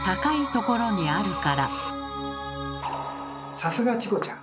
さすがチコちゃん！